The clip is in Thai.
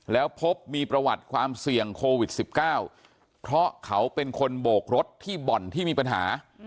แล้วพบมีประวัติความเสี่ยงโควิด๑๙เพราะเขาเป็นคนโบกรถที่บ่อนที่มีปัญหา